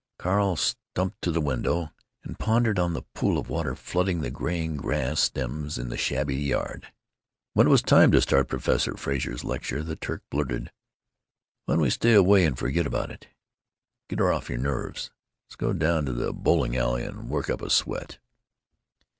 Carl stumped to the window and pondered on the pool of water flooding the graying grass stems in the shabby yard. When it was time to start for Professor Frazer's lecture the Turk blurted: "Why don't we stay away and forget about it? Get her off your nerves. Let's go down to the bowling alley and work up a sweat."